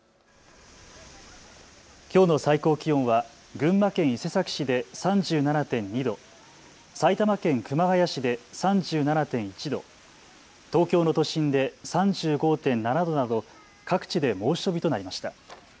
きょうの最高気温は群馬県伊勢崎市で３７．２度、埼玉県熊谷市で３７．１度、東京の都心で３５．７度など各地で猛暑日となりました。